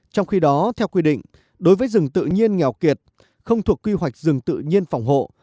trong khi đó theo quy định đối với rừng tự nhiên nghèo kiệt không thuộc quy hoạch rừng tự nhiên phòng hộ